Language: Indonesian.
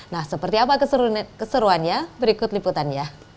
nah seperti apa keseruannya berikut liputannya